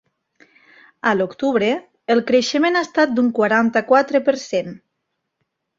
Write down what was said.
A l’octubre, el creixement ha estat d’un quaranta-quatre per cent.